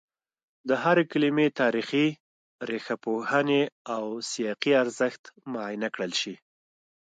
د هرې کلمې تاریخي، ریښه پوهني او سیاقي ارزښت معاینه کړل شي